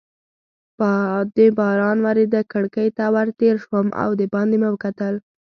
باندې باران ورېده، کړکۍ ته ور تېر شوم او دباندې مې وکتل.